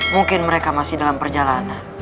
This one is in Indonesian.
mungkin mereka masih dalam perjalanan